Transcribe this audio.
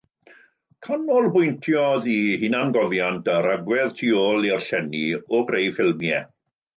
Canolbwyntiodd ei hunangofiant ar agwedd tu ôl i'r llenni o greu ffilmiau.